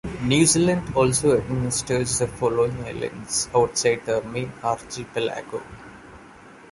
New Zealand also administers the following islands outside the main archipelago.